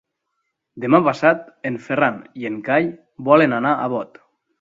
Demà passat en Ferran i en Cai volen anar a Bot.